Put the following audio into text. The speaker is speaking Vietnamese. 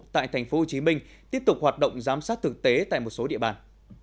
tại tp hcm tiếp tục hoạt động giám sát thực tế tại một số địa bàn